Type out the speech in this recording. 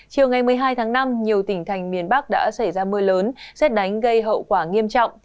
chiều ngày một mươi hai tháng năm nhiều tỉnh thành miền bắc đã xảy ra mưa lớn xét đánh gây hậu quả nghiêm trọng